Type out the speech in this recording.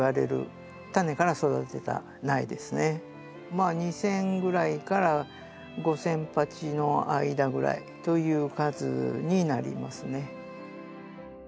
これが２，０００ぐらいから５，０００鉢の間ぐらいという数になりますね。